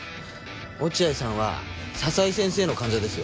落合さんは佐々井先生の患者ですよ。